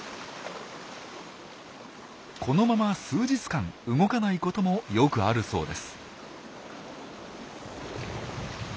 このまま数日間動かないこともよくあるそうです。